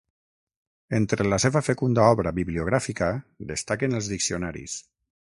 Entre la seva fecunda obra bibliogràfica destaquen els diccionaris.